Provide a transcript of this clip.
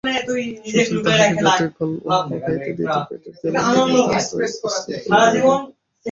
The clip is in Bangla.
সুশীল তাঁহাকে যতই অল্প খাইতে দিত পেটের জ্বালায় তিনি ততই অস্থির হইয়া বেড়াইতেন।